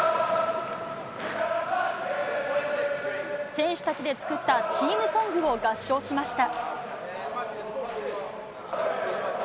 選手たちで作ったチームソングを合唱しました。